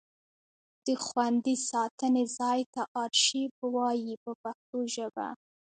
د خوندي ساتنې ځای ته ارشیف وایي په پښتو ژبه.